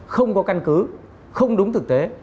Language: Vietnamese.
không có căn cứ không đúng thực tế